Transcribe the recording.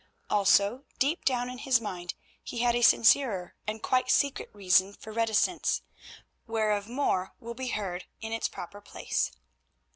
Also deep down in his mind he had a sincerer and quite secret reason for reticence, whereof more in its proper place.